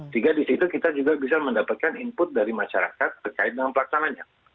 sehingga di situ kita juga bisa mendapatkan input dari masyarakat terkait dengan pelaksananya